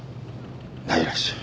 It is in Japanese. ないらしい。